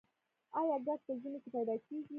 آیا ګاز په ژمي کې پیدا کیږي؟